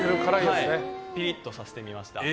ピリッとさせてみました。